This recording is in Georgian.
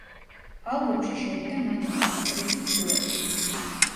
ალბომში შევიდა მადონას და პრინსის დუეტი.